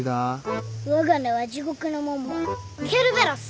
わが名は地獄の門番ケルベロス！